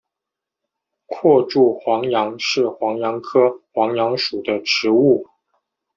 阔柱黄杨是黄杨科黄杨属的植物。